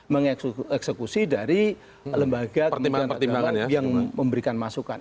mengeksekusi dari lembaga kementerian yang memberikan masukan